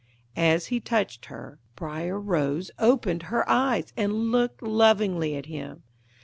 As he touched her, Briar Rose opened her eyes and looked lovingly at him.